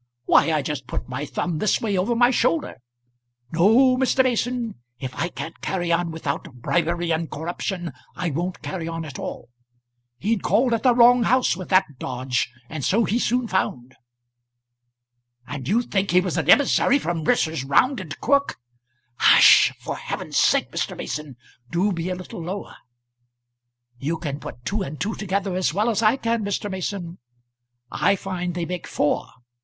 why I just put my thumb this way over my shoulder. No, Mr. Mason, if I can't carry on without bribery and corruption, I won't carry on at all. He'd called at the wrong house with that dodge, and so he soon found." "And you think he was an emissary from Messrs. Round and Crook?" "Hush sh sh. For heaven's sake, Mr. Mason, do be a little lower. You can put two and two together as well as I can, Mr. Mason. I find they make four.